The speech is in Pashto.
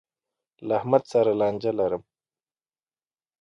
له احمد سره لانجه لرم.